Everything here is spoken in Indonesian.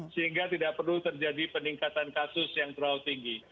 sehingga tidak perlu terjadi peningkatan kasus yang terlalu tinggi